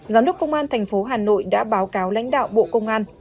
giám đốc công an thành phố hà nội đã báo cáo lãnh đạo bộ công an